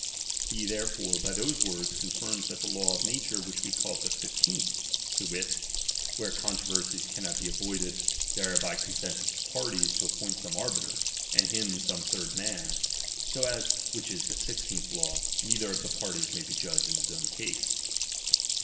He therefore, by those words, confirms that law of nature which we called the fifteenth, to wit, where controversies cannot be avoided ; there by the consent of parties to appoint some arbiter, and him some third man ; so as (which is the sixteenth law) neither of the parties may be jw^ in his own cause.